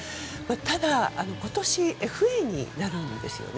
ただ、今年ＦＡになるんですよね。